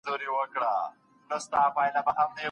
موږ ډېري مڼې راوړي.